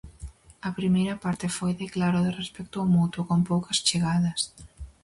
A primeira parte foi de claro de respecto mutuo, con poucas chegadas.